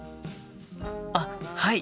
あっはい！